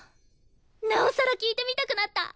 なおさら聴いてみたくなった！